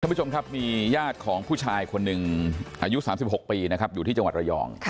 ผู้ชมครับมีญาติของผู้ชายคนหนึ่งอายุ๓๖ปีนะครับอยู่ที่จังหวัดระยอง